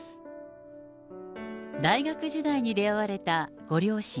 大学時代に出会われたご両親。